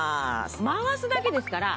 回すだけですから。